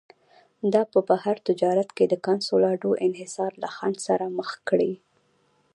دا په بهر تجارت کې د کنسولاډو انحصار له خنډ سره مخ کړي.